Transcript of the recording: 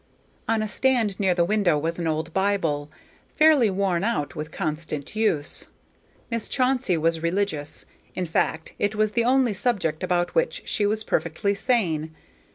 On a stand near the window was an old Bible, fairly worn out with constant use. Miss Chauncey was religious; in fact, it was the only subject about which she was perfectly sane.